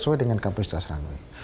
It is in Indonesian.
sesuai dengan kapasitas runway